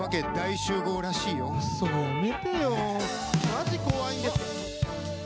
マジ怖いんですけど。